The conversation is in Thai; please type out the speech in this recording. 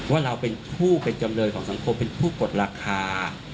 ว่าเราเป็นผู้เป็นจำเลยของสังคมเป็นผู้กดราคา